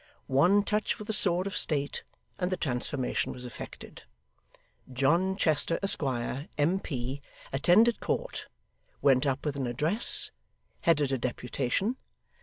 One touch with a sword of state, and the transformation was effected. John Chester, Esquire, M.P., attended court went up with an address headed a deputation.